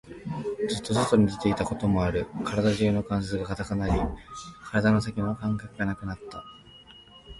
ずっと外に出ていたこともある。体中の関節が堅くなり、体の先の感覚がなくなっていた。